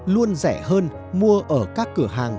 luôn rẻ hơn mua ở các cửa hàng